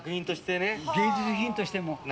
芸術品としても。